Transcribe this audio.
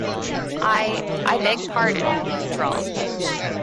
I, I beg pardon, he drawled.